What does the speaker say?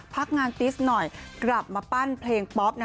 พักงานติสหน่อยกลับมาปั้นเพลงป๊อป